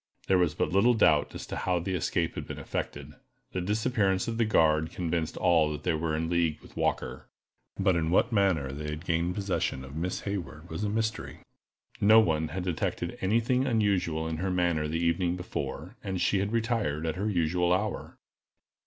There was but little doubt as to how the escape had been effected. The disappearance of the guard convinced all that they were in league with Walker, but in what manner they had gained possession of Miss Hayward was a mystery. No one had detected any thing unusual in her manner the evening before, and she had retired at her usual hour.